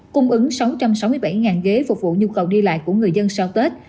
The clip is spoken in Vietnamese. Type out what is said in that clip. cung ứng sáu trăm sáu mươi bảy ghế phục vụ nhu cầu đi lại của người dân sau tết